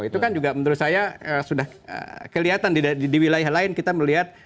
itu kan juga menurut saya sudah kelihatan di wilayah lain kita melihat